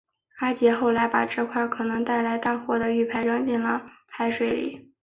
阿杰后来把这块可能带来大祸的玉牌扔进了海水里。